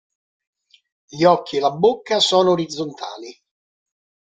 Gli occhi e la bocca sono orizzontali.